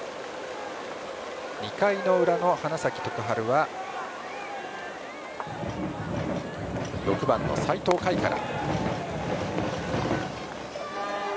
２回の裏の花咲徳栄は６番の齊藤海から。